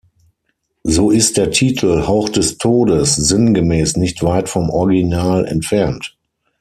So ist der Titel "Hauch des Todes" sinngemäß nicht weit vom Original entfernt.